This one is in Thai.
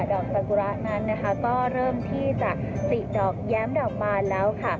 ดอกสักฐุระนั้นนะคะก็เริ่มที่จะปลิกดอกแหย้มดอกบาล